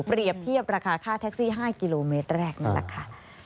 เทียบราคาค่าแท็กซี่๕กิโลเมตรแรกนั่นแหละค่ะ